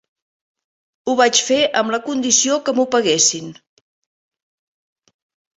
Ho vaig fer amb la condició que m'ho paguessin.